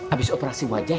abis operasi wajah ya